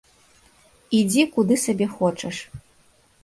Ідзі, куды сабе хочаш.